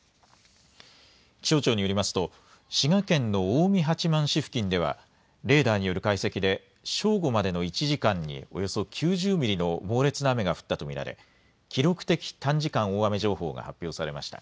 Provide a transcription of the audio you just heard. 気象庁によりますと滋賀県の近江八幡市付近ではレーダーによる解析で正午までの１時間におよそ９０ミリの猛烈な雨が降ったと見られ記録的短時間大雨情報が発表されました。